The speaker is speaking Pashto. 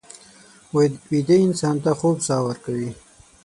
ویده انسان ته خوب ساه ورکوي